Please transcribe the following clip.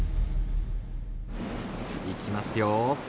いきますよ。